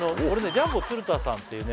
ジャンボ鶴田さんっていうね